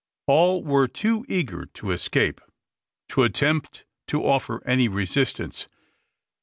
All were too eager to escape to attempt to offer any resistance.